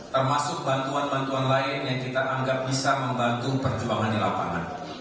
termasuk bantuan bantuan lain yang kita anggap bisa membantu perjuangan di lapangan